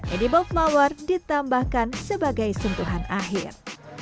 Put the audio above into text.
edible flower ditambahkan sebagai sentuhan akhir